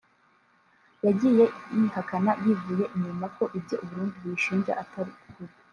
yagiye ihakana yivuye inyuma ko ibyo u Burundi buyishinja atari ukuri